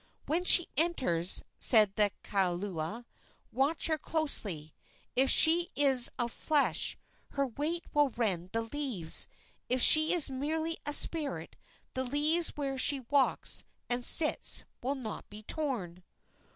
"When she enters," said the kaula, "watch her closely. If she is of flesh her weight will rend the leaves; if she is merely a spirit the leaves where she walks and sits will not be torn."